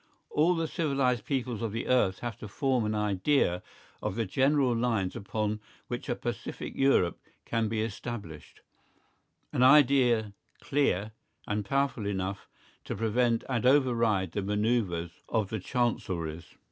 All the civilised peoples of the earth have to form an idea of the general lines upon which a pacific Europe can be established, an idea clear and powerful enough to prevent and override the manœuvres of the chancelleries.